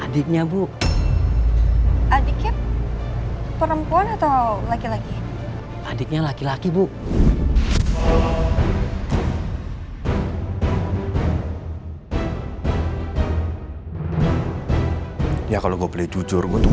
dia perempuan yang